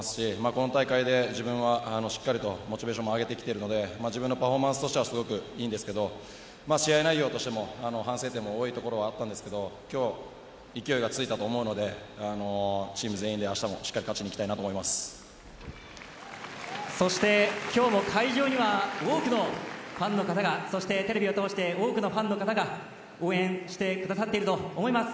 この大会で自分はしっかりとモチベーションも上げてきているので自分のパフォーマンスとしてはすごくいいんですが試合内容としても反省点も多いところはあったんですが今日勢いがついたと思うのでチーム全員で明日もしっかりそして、今日も会場には多くのファンの方がそしてテレビを通して多くのファンの方が応援してくださっていると思います。